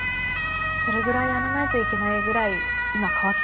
それぐらいやらないといけないぐらい今変わってきてるってことですよね。